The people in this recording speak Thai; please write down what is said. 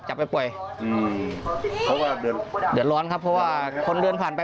จับไปปล่อยอืมเดี๋ยวร้อนครับเพราะว่าคนเดินผ่านไป